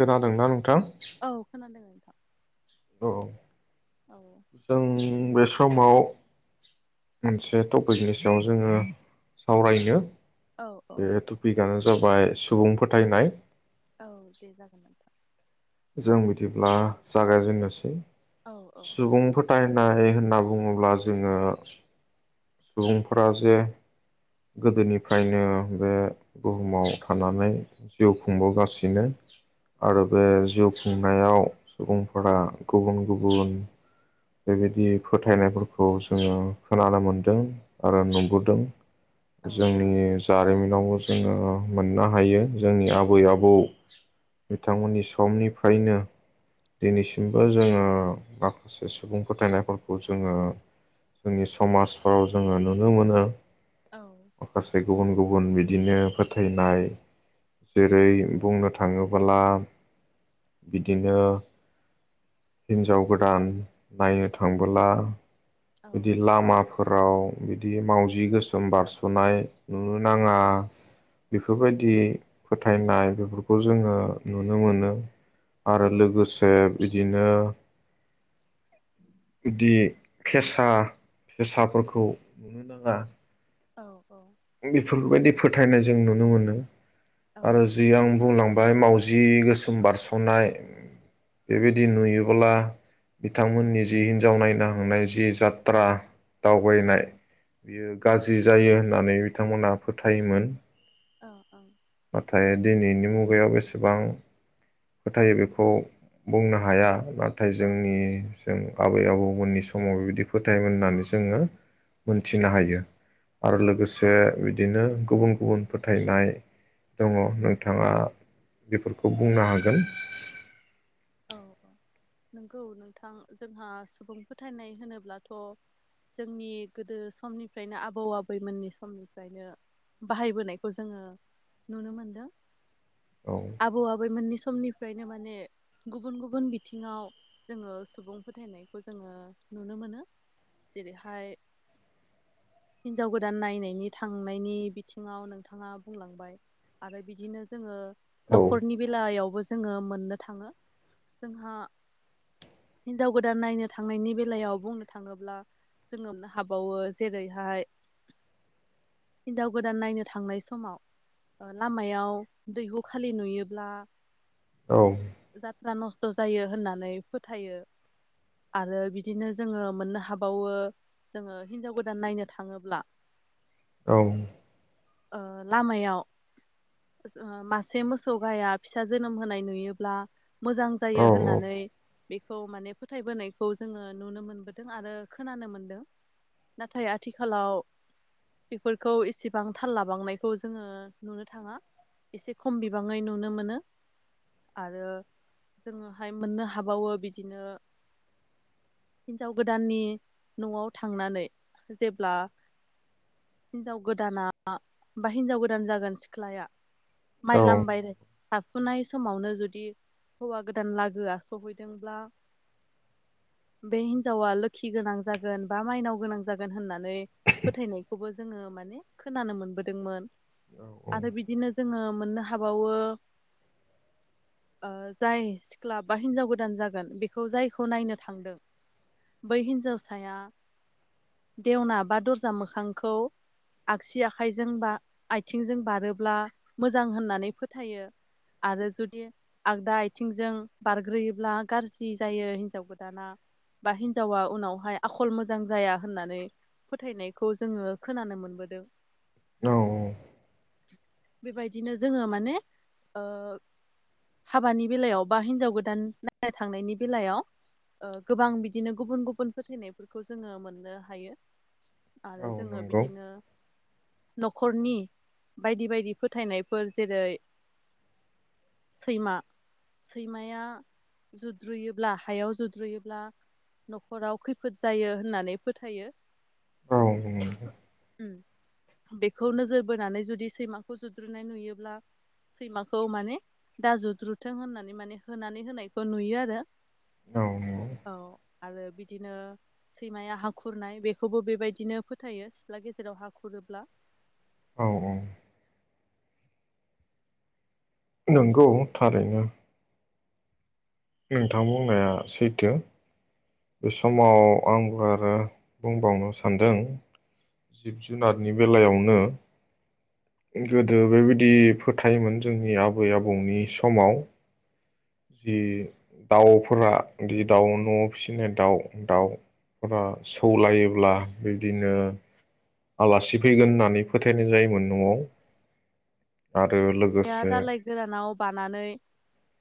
खोनादोंना नोंथां? औ खोनादों। औ औ। औ जों बे समाव मोनसे टपिकनि सायाव जोङो सावरायनो औ औ बेथुपिकगानो जाबाय सुबुं फोथायनाय। [inaudible] जों बिदिब्ला जागायजेननोसै। औ औ सुबुं फोथाय। नाय होनना बुङोब्ला जोङो सुबुंफोरा जे। गोदोनिफ्रायनो बे बुहुमाव थानानै जिउ खुंबावगासिनो। औ आरो बे जुग। खुंनायाव सुबुंफोरा गुबुन गुबुन बेबायदि फोथायनायफोरखौ जोङो खोनानो मोनदों आरो नुबोदों। औ औ जोंनि जारिमिनाव जोङो मोननो हायो जोंनि आबै आबौ बिथांमोननि समनिफ्रायनो दिनैसिमबो जोङो माखासे सुबुं फोथायनायफोरखौ जोङो जोंनि समाजफ्राव जोङो नुनो मोनो। औ माखासे नंगौ गुबुन गुबुन बिदिनो। फोथायनाय जेरै बुंनो थाङोबोला बिदिनो हिनजाव गोदान नायनो थांबोला‌। औ बिदि लामाफोराव। बिदि मावजि गोसोम बारसनाय। नुनो औ नाङा औ बेफोरबायदि। बिदि फोथायनाय बेफोरखौ जोङो नुनो मोनो। औ आरो लोगोसे बिदिनो। दि फेसा फेसाफोरखौ नुनो नाङा। औ औ। बेफोरबायदि फोथायनाय जों नुनो मोनो। औ आरो जि आं बुंलांबाय माउजि गोसोम बारसनाय। बेबायदि नुयोब्ला। बिथांमोननि जि हिनजाव नायना। थांनाय जि जात्रा। दावबायनाय। बियो गाज्रि जायो होननानै। बिथांमोनहा फोथायोमोन। ओं नाथाय दिनैनि मुगायाव बेसेबां फोथायो बेखौ बुंनो हाया। नाथाय औ जोंनि जों आब। आबै आबौमोननि समाव बेबायदि फोथायोमोन होननानै जोङो मोनथिनो हायो। आरो औ लोगोसे बिदिनो गुबुन। गुबुन फोथायनाय। दङ नोंथाङा बेफोरखौ बुंनो हागोन। औ, औ नंगौ नोंथां जोंहा सुबुं फोथायनाय होनोब्लाथ जोंनि गोदो समनिफ्रायनो आबौ आबैमोननि समनिफ्रायनो बाहायबोनायखौ जोङो नुनो मोनदों। औ आबौ आबै मोननि। समनिफ्रायनो माने। गुबुन गुबुन बिथिङाव जोङो सुबुं फोथायनायखौ जोङो नुनो मोनो जेरैहाय हिनजाव गोदान नायनायनि थांनायनि बिथिङाव नोंथाङा बुंलांबाय आरो बिदिनो जोङो औ न'खरनि बेलायाव जोङो मोननो थाङो जोंहा हिनजाव गोदान नायनो थांनायनि बेलायाव बुंनो थाङोब्ला जोङो मोननो हाबावो जेरै हाय हिनजाव गोदान नायनो थांनाय समाव लामायाव दैहु खालि नुयोब्ला औ। जाथ्रा नस्थ जायो होननानै फोथायो आरो बिदिनो जोङो मोननो हाबावो जोङो हिनजाव गोदान नायनो थाङोब्ला औ। ओ लामायाव मासे मोसौ गाया फिसा जोनोम होनाय नुयोब्ला मोजां औ जायो होननानै बेखौ माने फोथायबोनायखौ जोङो नुनो मोनबोदों आरो खोनानो मोनदों नाथाय आथिखालाव बेफोरखौ एसेबां थाल लाबांनायखौ जोङो नुनो थाङा एसे खम बिबाङै नुनो मोनो आरो जोङोहाय मोननो हाबावो बिदिनो हिन्जाव गोदाननि न'आव थांनानै जेब्ला हिन्जाव गोदाना बा हिनजाव गोदान जागोन सिख्लाया माइ लामबाय थाफुनाय समावनो जुदि हौवा गोदान लागोआ सहैदोंब्ला बे हिनजावा लोखि गोनां जागोन बा मायनाव गोनां जागोन गोन होननानै फोथायनायखौबो जोङो माने खोनानो मोनबोदोंमोन आरो औ बिदिनो जों मोननो हाबावो ओ जाय सिख्ला बा हिनजाव गोदान जागोन बे जायखौ नायनो थांदों बै हिनजावसाया देवना बा दर्जा मोखांखौ आगसि आखाइजों बा आथिंजों बारोब्ला मोजां होननानै फोथायो आरो जुदि आगदा आथिंजों बारग्रोयोब्ला गाज्रि जायो हिनजाव गोदाना बा हिनजावा उनावहाय आखल मोजां जाया होननानै फोथायनायखौ जोङो खोनानो मोनबोदों। औ औ। बेबायदिनो जोङो माने ओ हाबानि बेलायाव बा हिनजाव गोदान नायनो थांनायनि बेलायाव ओ गोबां बिदिनो गुबुन गुबुन फोथायनायफोरखौ जोङो मोनो नो हायो आरो जोङो नंगौ बिदिनो न'खरनि बायदि बायदि फोथायनायफोर जेरै सैमा सैमाया जुद्रुयोब्ला हायाव जुद्रुयोब्ला न'खराव खैफोद जायो होननानै फोथायो। औ औ। बेखौ नोजोर बोनानै जुदि सैमाखौ जुद्रुनाय नुयोब्ला सैमाखौ माने दा जुद्रुथों होननानै माने होनानै होनायखौ नुयो आरो नंगौ औ आरो बिदिनो सैमाया हा खुरनाय बेखौबो बेबायदिनो फोथायो सिथ्ला गेजेराव हा खुरोब्ला औ औ। नंगौ थारैनो। नोंथां बुंनाया सैथो। बे समाव आंबो आरो बुंबावनो सानदों जिब जुनारनि बेलायावनो गोदो बेबायदि फोथायोमोन जोंनि आबै आबौनि समाव जि दाउफोरा जि दाउ न फिसिनाय दाउ दाउफोरा सौलायोब्ला बिब्दिनो आलासि फैगोन होननानै फोथायनाय जायोमोन नआव आरो बेहा लोगोसे दालाइ गोरानाव बानानै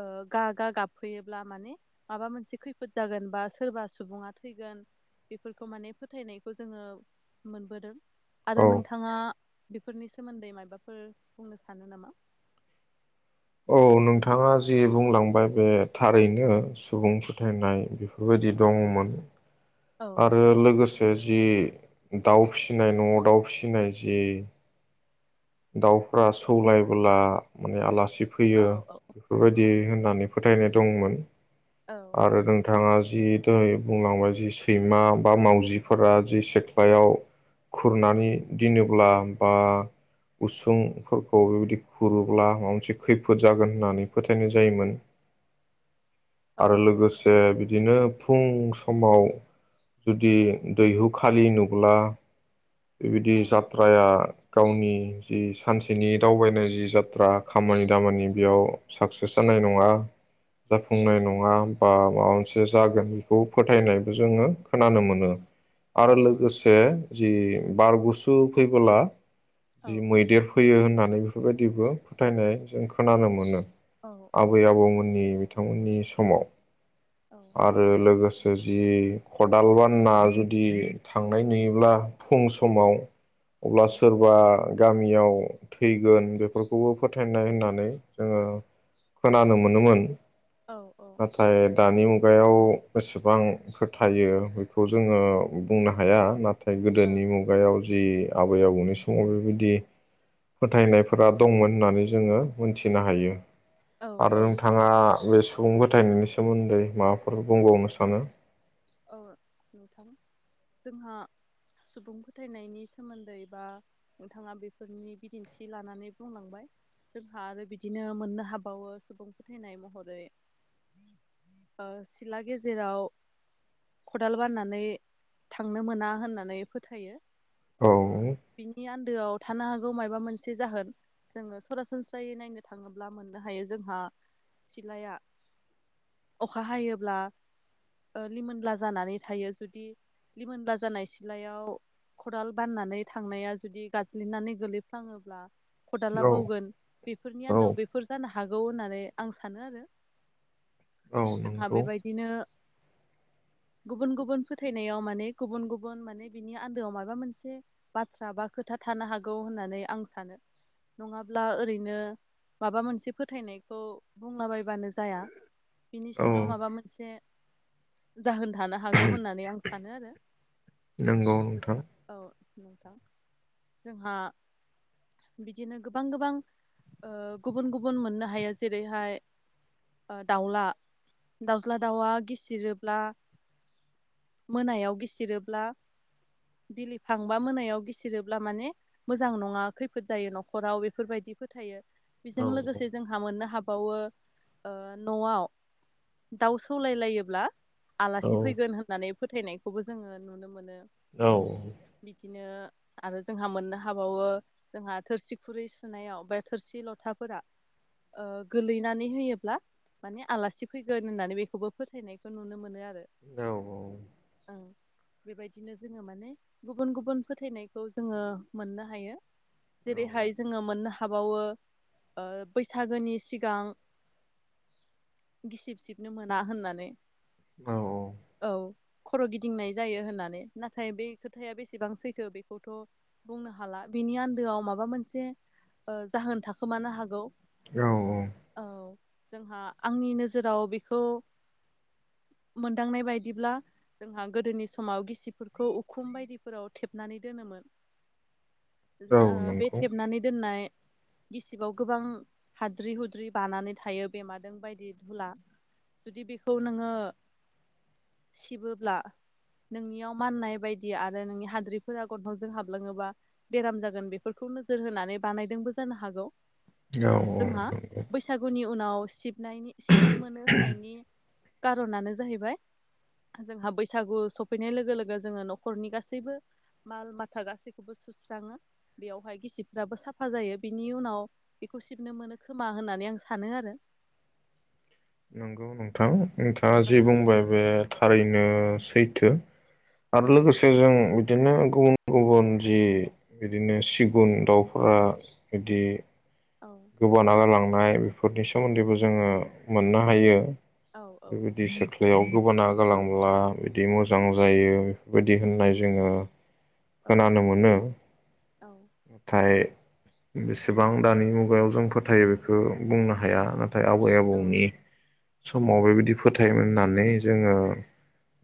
ओ गा गा गाबफैयोब्ला माने माबा मोनसे खैफोद जागोन बा सोरबा सुबुङा थैगोन बेफोरखौ माने फोथायनायखौ जोङो मोनबोदों। औ आरो नोंथाङा बेफोरनि सोमोन्दै मायाबाफोर बुंनो सानो नामा? औ नोंथाङा जि बुंलांबाय बे थारैनो सुबुं फोथायनाय बेफोरबायदि दङमोन औ आरो लोगोसे जि दाउ फिसिनाय न'आव दाउ फिसिनाय जि दाउफोरा सौलायब्ला माने आलासि सि औ फैयो औ बेफोरबायदि होन आंनि फोथायनाय दंमोन। औ आरो नोंथाङा जु जिहेथु बुंलांबाय जि मा बा मावजिफोरा जि सिख्लायाव खुरनानै दोनोब्ला बा उसुंफोरखौ बेबायदि खुरोब्ला माबा मोनसे खैफोद जागोन होननानै फोथायनाय जायोमोन। औ आरो औ लोगोसे बि दिनो फुं समाव जुदि दैहु खालि नुब्ला बेबायदि औ जात्राया गावनि जि सानसेनि दावबायनाय जि जात्रा खामानि दामानि बेयाव साक्सेस जानाय नङा जाफुंनाय नङा बा माबा मोनसे जागोन बेखौ फोथायनायबो जोङो खोनानो मोनो। औ आरो लोगोसे जि बार गुसु फैबोला औ जि मैदेर फैयो होनना नाय बेफोरबायदिबो फोथायनाय जों खोनानो मोनो। औ आबै आबौमोननि थांमोननि समाव। औ आरो लोगोसे जि खदाल बानना जुदि थांनाय नुयोब्ला फुं समाव अब्ला सोरबा गामियाव थैगोन बेफोरखौबो फोथायनाय होननानै जोङो खोनानो मोनोमोन। नाथाय दानि मु गायाव एसेबां फो थायो बेखौ जोङो बुंनो हाया नाथ थाय गोदोनि मुगायाव जि आबै आबौनि समाव बेबायदि फोथायनायफोरा दंमोन होननानै जोङो मोनथिनो हायो। औ आरो नोंथाङा बे सुबुं फोथायनायनि सोमोन्दै माबाफोर बुंबावनो सानो। औ नोंथां जोंहा सुबुं फोथायनायनि सोमोन्दै बा नोंथाङा बेफोरनि बिदिन्थि लानानै बुंलांबाय जोंहा आरो बिदिनो मोननो हाबावो सुबुं फोथायनाय महरै ओ सिला गेजेराव खदाल बाननानै थांनो मोना होननानै फोथायो। औ ओ बिनि आन दोआव थानो हागौ मायबा मोनसे जाहोन जोङो सरासनस्रायै नायनो थाङोब्ला मोननो हायो जोंहा सिलाया अखा हायोब्ला लिमोनला जानानै थायो जुदि लिमोनला जानाय सिलायाव खदाल बाननानै थांनाया जुदि गाज्लिनानै गोलैफ्लाङोब्ला खदाला औ बौगोन बेफोरनि औ आन्दोआव बेफोर जानो हा हागौ होननानै आं सानो आरो औ जोंहा नंगौ बेबायदिनो गुबुन गुबुन फोथायनायाव माने गुबुन गुबुन माने बिनि आन्दोयाव माबा मोनसे बाथ्रा बा खोथा थानो हागौ होननानै आं सानो नङाब्ला ओरैनो माबा मोनसे फोथायनायखौ बुंलाबायबानो जाया। बिनि औ सिङाव माबा मोनसे जाहोन थानो हागौ होननानै आं सानो आरो नंगौ नोंथां औ जोंहा बिदिनो गोबां गोबां ओ गुबुन गुबुन मोननो हायो जेरैहाय दाउला दाउज्ला दाउया गिसिरोब्ला मोनायाव गिसिरोब्ला बिलिफांबा मोनायाव गिसिरोब्ला माने मोजां नङा खैफोद जायो नखराव बेफोरबायदि फोथायो। बेजों औ लोगोसे जोंहा मोननो हा बावो ओ न'आव दाउ सौलाय लायोब्ला आलासि औ फैगोन होननानै फोथायनायखौबो जोङो नुनो मोनो। औ। बिदिनो आरो जोंहा मोननो हाबावो जोंहा थोरसि खुरै सुनायाव बा थोरसि लथाफोरा ओ गोलैनानै होयोब्ला माने आलासि फैगोन होननानै बेखौबो फोथायनायखौ नुनो मोनो आरो औ औ। ओं बेबायदिनो जोङो माने गुबुन गुबुन फोथायनायखौ जोङो मोननो हायो। जेरैहाय जोङो मोननो हायो हाबावो ओ बैसागोनि सिगां गिसिब सिबनो मोना होननानै। औ औ। खर गिदिंनाय जायो होननानै नाथाय बे खोथाया बेसेबां सैथो बेखौथ' बुंनो हाला बिनि आन्दोयाव माबा मोनसे जाहोन थाखोमानो हागौ। औ औ। औ जोंहा आंनि नोजो राव बेखौ मोनदांनाय बायदिब्ला जोंहा गोदोनि समाव गिसिफोरखौ उखुम बायदिफोराव थेबनानै दोनोमोन जा ओ बे नंगौ थेबनानै दोननाय गिसिबाव गोबां हाद्रि हुद्रि बानानै थायो बेमादों बायदि दुला जुदि बेखौ नोङो सिबोब्ला नोंनियाव माननाय बायदि आरो नोंनि हाद्रिफोरा गन्थजों हाबलाङोबा बेराम जागोन बेफोरखौ नोजोर होनानै बानायदोंबो जानो हागौ। औ ओ औ जोंहा औ बैसागुनि औ। उनाव सिबनाय सिबनो मोनो होननायनि खारनानो जाहैबाय जोंहा बैसागु सफैनाय लोगो लोगो जोङो नखरनि गासैबो माल माथा गासैखौबो सुस्राङो बेयावहाय गिसिबफ्राबो साफा जायो बिनि उनाव बेखौ सिबनो मोनो खोमा होननानै आं सानो आरो नंगौ नोंथां। नोंथाङा औ जि बुंबाय बे थारै बिनो सैथो आरो औ लोगोसे जों बिदिनो गुबुन गुबुन जि बिदिनो सिगुन दाउफोरा बिदि गोबाना गालां नाय बेफोरनि सोमोन्दैबो जोङो मोननो हायो। औ बेबायदिसो। बेयाव गोबाना गालांब्ला बिदि मोजां जायो बेफोरबायदि होननाय जोङो औ खोनानो मोनो। औ नाथाय बेसेबां दानि मु गायाव जों फोथायो बेखौ बुंनो हाया आबै औ आबौनि समाव बेबायदि फोथायोमोन होननानै जोङो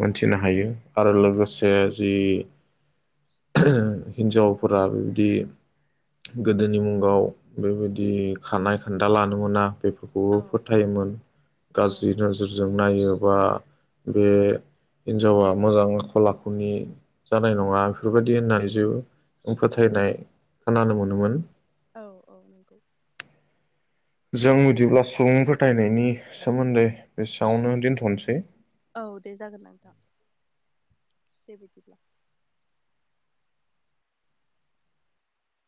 मोनथिनो हायो। आरो लोगोसे जि हिनजावफोरा बेबायदि गोदोनि मुगाव बेबायदि जि खारानाय खान्दा लानो मोना बेफोर बो ओ फोथायोमोन औ गाज्रि नोजोरजों नायोबा बे हिनजावा मोजां आखल आखुनि जानाय नङा बेफोरबायदि होननानै जे फोथायनाय खोनानो मोनोमोन। औ औ नंगौ जों बिदिब्ला सुबुं फोथायनायनि सोमोन्दै एसेआवनो दोनथनोसै। औ दे जागोन नोंथां। दे बिदिब्ला।